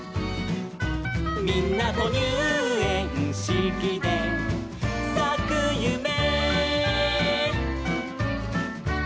「みんなとにゅうえんしきでさくゆめ」